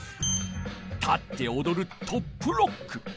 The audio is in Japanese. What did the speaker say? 立っておどる「トップロック」。